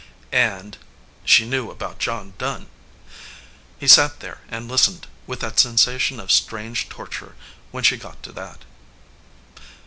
And she knew about John Dunn ! He sat there and listened, with that sensation of strange tor ture, when she got to that.